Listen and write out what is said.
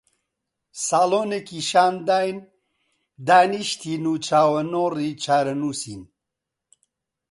ساڵۆنێکی شان داین، دانیشتین و چاوەنۆڕی چارەنووسین